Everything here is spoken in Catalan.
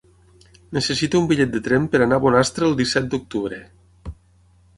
Necessito un bitllet de tren per anar a Bonastre el disset d'octubre.